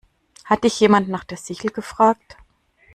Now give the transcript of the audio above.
Hat dich jemand nach der Sichel gefragt?